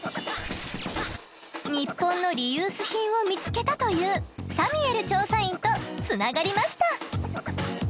ニッポンのリユース品を見つけたというサミュエル調査員とつながりました。